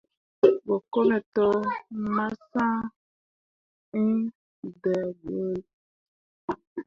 Go kome to, ma sah iŋ daa bǝulli.